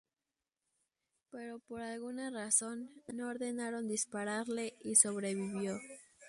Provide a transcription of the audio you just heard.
Pero por alguna razón, no ordenaron dispararle, y sobrevivió.